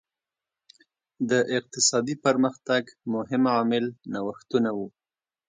د اقتصادي پرمختګ مهم عامل نوښتونه وو.